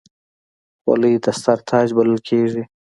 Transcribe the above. خولۍ د سر تاج بلل کېږي.